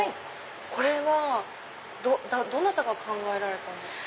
これはどなたが考えられたんですか？